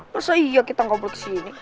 masa iya kita nggak boleh kesini